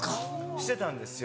してたんですよ。